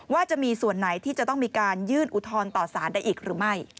ว่าจะมีส่วนไหนที่จะต้องมีการยื่นอุทธรณ์ต่อสารได้อีกหรือไม่